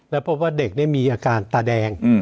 แล้วพบว่าเด็กมีอาการตาแดง